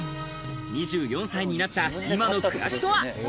２４歳になった今の暮らしとは？